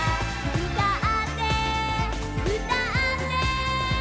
「うたってうたって」